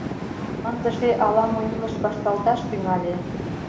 Ындыже ала-мо илыш вашталташ тӱҥале.